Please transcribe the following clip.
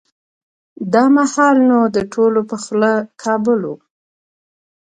دا مهال نو د ټولو په خوله کابل و.